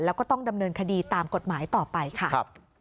แล้วก็ต้องดำเนินคดีตามกฎหมายต่อไปค่ะ